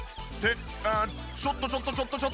ちょっとちょっとちょっとちょっと！